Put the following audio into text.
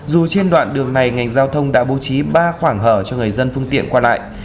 dù trên đoạn đường này ngành giao thông đã bố trí ba khoảng hở cho người dân phương tiện qua lại